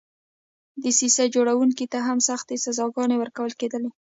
دسیسه جوړوونکو ته هم سختې سزاګانې ورکول کېدلې.